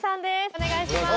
お願いします。